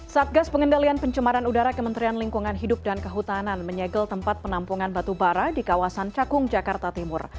satgas pengendalian pencemaran udara kementerian lingkungan hidup dan kehutanan menyegel tempat penampungan batubara di kawasan cakung jakarta timur